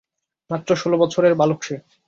মাত্র ষোল বছরের বালক সে।